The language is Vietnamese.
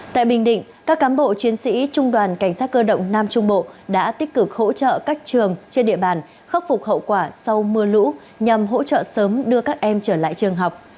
tại bình định các cám bộ chiến sĩ trung đoàn cảnh sát cơ động nam trung bộ đã tích cực hỗ trợ các trường trên địa bàn khắc phục hậu quả sau mưa lũ nhằm hỗ trợ sớm đưa các em trở lại trường học